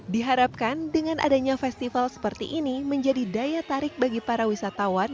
diharapkan dengan adanya festival seperti ini menjadi daya tarik bagi para wisatawan